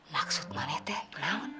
maksud mana teh kenapa